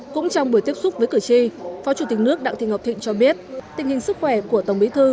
cũng trong buổi tiếp xúc với cử tri phó chủ tịch nước đặng thị ngọc thịnh cho biết tình hình sức khỏe của tổng bí thư